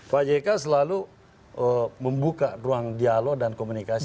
pak jk selalu membuka ruang dialog dan komunikasi